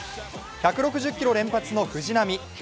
１６０キロ連発の藤浪。